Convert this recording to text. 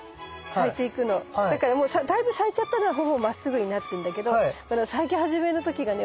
だからもうだいぶ咲いちゃったのはほぼまっすぐになってんだけどこの咲き始めの時がね